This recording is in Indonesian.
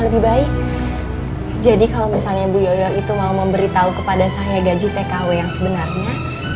lebih baik jadi kalau misalnya ibu yoyo itu mau memberitahu kepada saya gaji tkw yang sebenarnya